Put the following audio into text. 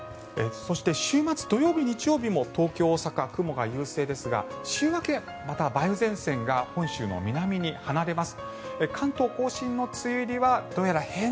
そして週末、土曜日日曜日も東京、大阪は雲が優勢ですが週明け、また梅雨前線が本州の南に離れます。